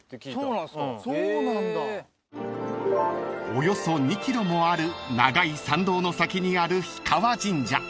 ［およそ２ｋｍもある長い参道の先にある］